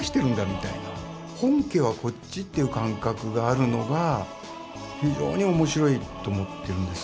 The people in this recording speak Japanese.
本家はこっちという感覚があるのが非常に面白いと思ってるんです。